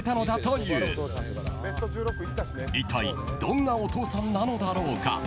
いったい、どんなお父さんなのだろうか。